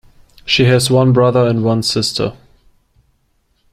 She has one brother and one sister.